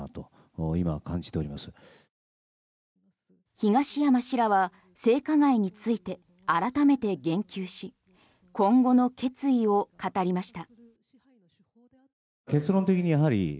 東山氏らは性加害について改めて言及し今後の決意を語りました。